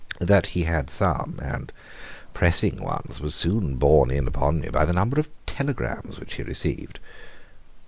That he had some, and pressing ones, was soon borne in upon me by the number of telegrams which he received.